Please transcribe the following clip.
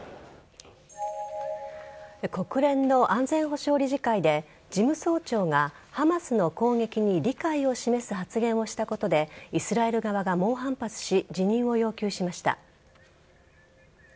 国連の安全保障理事会で事務総長がハマスの攻撃に理解を示す発言をしたことでイスラエル側が猛反発し辞任を要求しました。